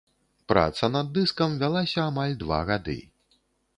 Праца над дыскам вялася амаль два гады.